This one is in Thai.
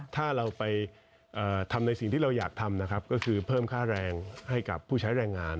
ถ้าเราไปทำในสิ่งที่เราอยากทำนะครับก็คือเพิ่มค่าแรงให้กับผู้ใช้แรงงาน